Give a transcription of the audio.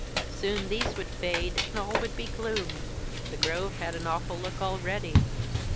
Soon these would fade, and all would be gloom. The grove had an awful look already.